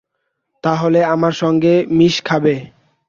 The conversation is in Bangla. তাহলে আমার সঙ্গে মিশ খাবে।